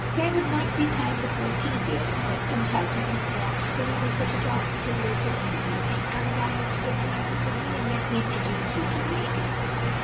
"There would not be time before tea, dear," he said, consulting his watch; "so we will put it off till later in the evening. Come down to the drawing room with me and let me introduce you to the ladies."